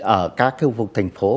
ở các khu vực thành phố